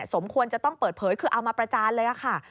สมควรจะต้องเปิดเผยคือเอามาประจานเลยค่ะ